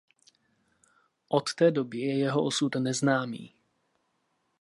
Od té doby je jeho osud neznámý.